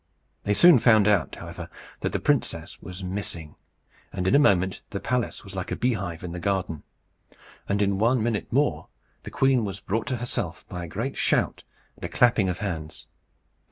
They soon found out, however, that the princess was missing, and in a moment the palace was like a beehive in a garden; and in one minute more the queen was brought to herself by a great shout and a clapping of hands.